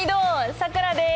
さくらです。